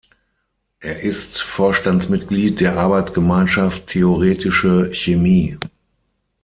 Er ist Vorstandsmitglied der Arbeitsgemeinschaft Theoretische Chemie.